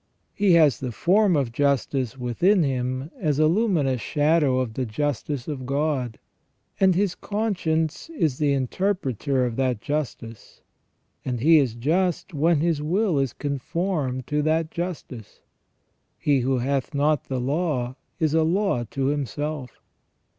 He has the form of justice within him as a luminous shadow of the justice of God, and his conscience is the interpreter of that justice; and he is just when his will is conformed to that justice. "He who hath not the law is a law to himself."